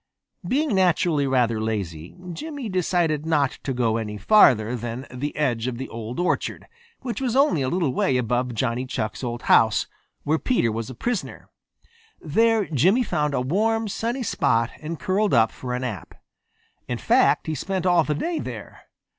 Being naturally rather lazy, Jimmy decided not to go any farther than the edge of the Old Orchard, which was only a little way above Johnny Chuck's old house, where Peter was a prisoner. There Jimmy found a warm, sunny spot and curled up for a nap. In fact, he spent all the day there.